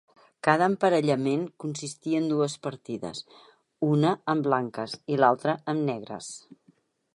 Cada emparellament consistia en dues partides, una amb blanques i l'altra amb negres.